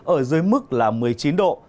ở dưới mức là một mươi chín độ